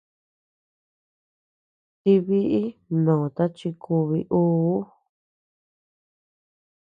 Tïi biʼi mnoota chi kubi uu.